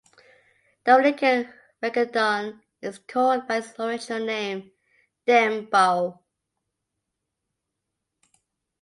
Dominican reggaeton is called by its original name "dem-bow".